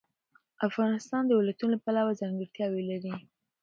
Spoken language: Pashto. افغانستان د ولایتونو له پلوه ځانګړتیاوې لري.